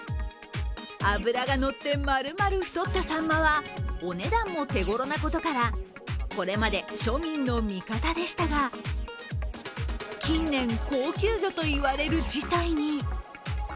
脂がのって、丸々太ったさんまはお値段も手頃なことからこれまで庶民の味方でしたが、近年高級魚といわれる事態に。